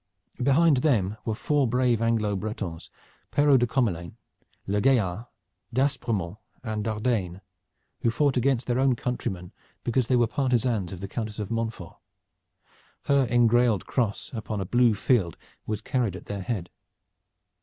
Behind them were four brave Anglo Bretons, Perrot de Commelain, Le Gaillart, d'Aspremont and d'Ardaine, who fought against their own countrymen because they were partisans of the Countess of Montfort. Her engrailed silver cross upon a blue field was carried at their head.